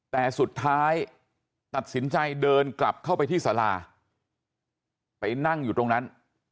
แต่สุดท้ายตัดสินใจเดินกลับเข้าไปที่สาราไปนั่งอยู่ตรงนั้น